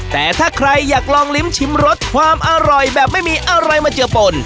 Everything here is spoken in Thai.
แต่ถ้าใครอยากลองลิ้มชิมรสความอร่อยแบบไม่มีอะไรมาเจอปน